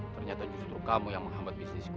ternyata justru kamu yang menghambat bisnisku